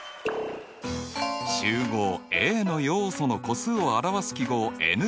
集合Ａの要素の個数を表す記号